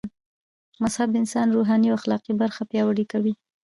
مذهب د انسان روحاني او اخلاقي برخه پياوړي کوي